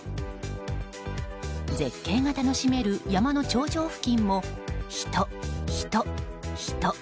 絶景が楽しめる山の頂上付近も人、人、人。